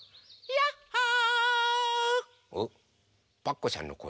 ヤッホー！